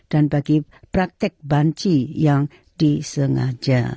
dan bagi praktek banci yang disengaja